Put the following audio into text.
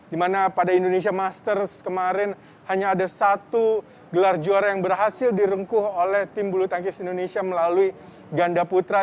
dimana pada indonesia masters kemarin hanya ada satu gelar juara yang berhasil direngkuh oleh tim bulu tangkis indonesia melalui ganda putra